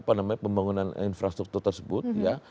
lalu terus melanjutkan pembangunan infrastruktur tersebut ya